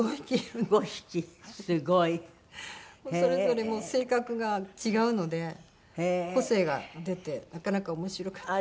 すごい。それぞれもう性格が違うので個性が出てなかなか面白くて。